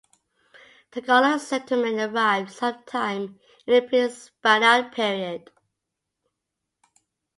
Tagalog settlement arrived some time in the pre-Spaniard period.